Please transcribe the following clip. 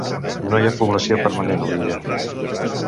No hi ha població permanent a l'illa.